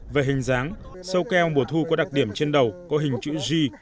về hình dáng sâu keo mùa thu có đặc điểm trên đầu có hình chữ g